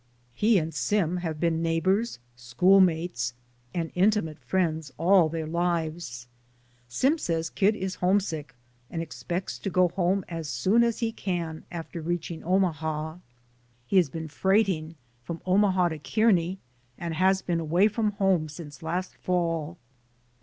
He and Sim have been neighbors, schoolmates, and inti mate friends all their lives. Sim says Kid is homesick and expects to go home as soon as he can after reaching Omaha. He has been freighting from Omaha to Kearney, and has been away from home since last Fall.